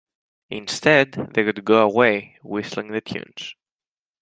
Instead, they would go away whistling the tunes.